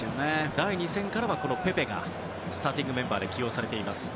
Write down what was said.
第２戦からは、このペペがスターティングメンバーに起用されています。